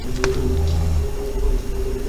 বোমার হুমকি মূল্যায়ন কমিটি কি ফ্লাইট পরীক্ষা করেছে?